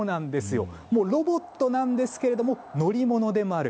ロボットなんですが乗り物でもある。